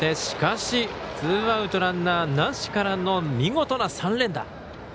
しかし、ツーアウトランナーなしからの見事な三連打。